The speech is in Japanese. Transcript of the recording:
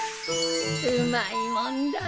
うまいもんだねぇ。